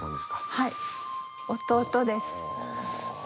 はい弟です。